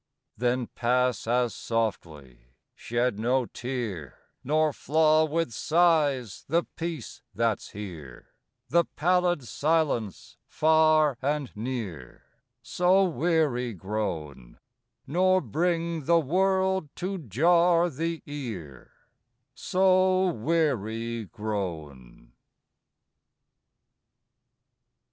III Then pass as softly: shed no tear Nor flaw with sighs the peace that's here; The pallid silence, far and near, So weary grown; Nor bring the world to jar the ear So weary grown.